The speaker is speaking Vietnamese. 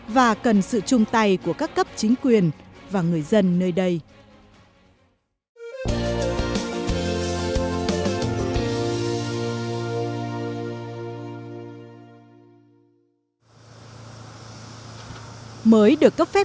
và cần sự chung tay của các cấp chính quyền và người dân nơi đây